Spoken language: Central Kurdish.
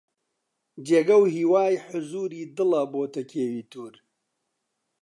جێگە و هیوای حوزووری دڵە بۆتە کێوی توور